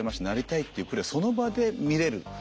なりたいっていうプレーをその場で見れる。